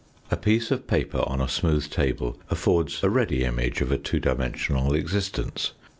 A piece of paper on a smooth table affords a ready image of a two dimensional existence.